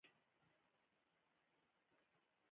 احمد تل د ملګرو په منځ کې ځان ته غټه ډېره ږدي.